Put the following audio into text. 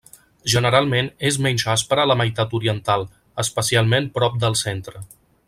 Generalment és menys aspra la meitat oriental, especialment prop del centre.